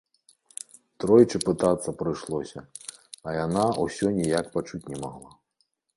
Тройчы пытацца прыйшлося, а яна ўсё ніяк пачуць не магла.